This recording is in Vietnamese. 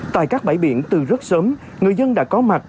tại các bãi biển từ rất sớm người dân đã có mặt